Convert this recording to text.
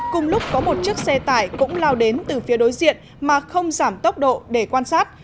cùng lúc có một chiếc xe tải cũng lao đến từ phía đối diện mà không giảm tốc độ để quan sát